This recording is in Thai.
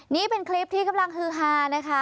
นี่เป็นคลิปที่กำลังฮือฮานะคะ